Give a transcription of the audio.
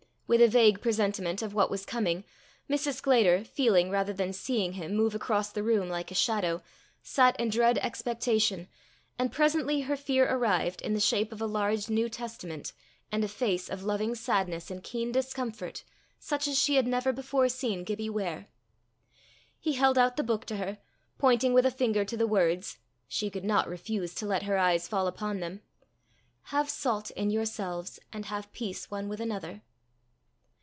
With a vague presentiment of what was coming, Mrs. Sclater, feeling rather than seeing him move across the room like a shadow, sat in dread expectation; and presently her fear arrived, in the shape of a large New Testament, and a face of loving sadness, and keen discomfort, such as she had never before seen Gibbie wear. He held out the book to her, pointing with a finger to the words she could not refuse to let her eyes fall upon them "Have salt in yourselves, and have peace one with another."